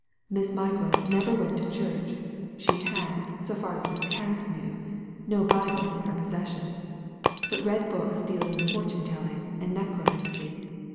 Miss Migral never went to church, she had — so far as Miss Cass knew, no Bible in her possession; but read books dealing with fortune telling and necromancy.